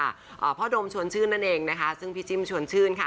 อ่าพ่อดมชวนชื่นนั่นเองนะคะซึ่งพี่จิ้มชวนชื่นค่ะ